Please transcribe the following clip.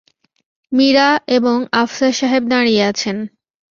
মীরা এবং আফসার সাহেব দাঁড়িয়ে আছেন!